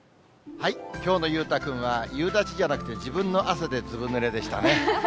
きょうの裕太君は、夕立じゃなくて、自分の汗でずぶぬれでしたね。